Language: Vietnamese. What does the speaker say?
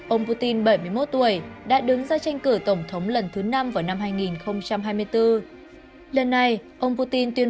ông putin bảy mươi một tuổi đã đứng ra tranh cử tổng thống lần thứ năm vào năm hai nghìn hai mươi bốn lần này ông putin tuyên